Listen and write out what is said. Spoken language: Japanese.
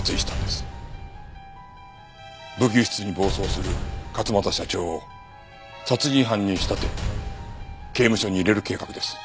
武器輸出に暴走する勝又社長を殺人犯に仕立て刑務所に入れる計画です。